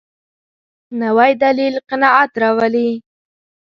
نوی دلیل قناعت راولي